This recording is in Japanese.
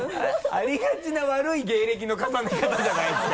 ありがちな悪い芸歴の重ね方じゃないですか？